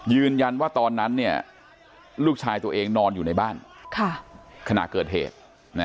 ยืนยันว่าตอนนั้นลูกชายตัวเองนอนอยู่ในบ้านขณะเกิดเหตุ